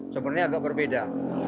sebenarnya agak berbeda